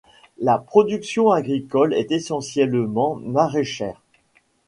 La production agricole est essentiellement maraîchère.